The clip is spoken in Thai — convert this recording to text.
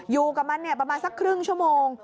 อยู่กับมันประมาณสักครึ่งชั่วโมง